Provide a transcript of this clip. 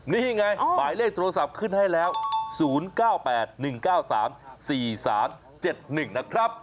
นี่ไงหมายเลขโทรศัพท์ขึ้นให้แล้ว๐๙๘๑๙๓๔๓๗๑นะครับ